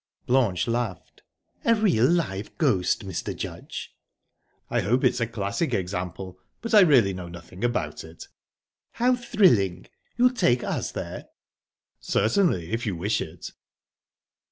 Blanche laughed. "A real live ghost, Mr. Judge?" "I hope it's a classic example, but I really know nothing about it." "How thrilling? You'll take us there?" "Certainly, if you wish it."